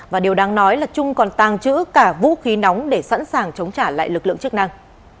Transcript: và điều đáng nói là trung còn tàng trữ cả vũ khí nóng để sẵn sàng chống trả lại lực lượng chức năng